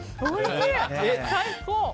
最高！